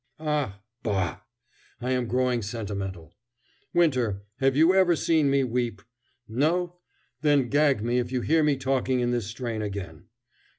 Ah, bah! I am growing sentimental. Winter, have you ever seen me weep? No; then gag me if you hear me talking in this strain again.